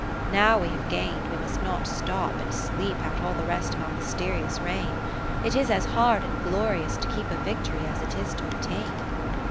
Ill Now we have gain'd, we must not stop, and sleep Out all the rest of our mysterious reign : 10 It is as hard and glorious to keep A victory, as it is to obtain.